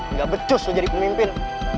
nggak becus loh jadi pemimpin